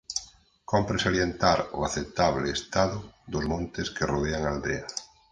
Cómpre salientar o aceptable estado dos montes que rodean a aldea.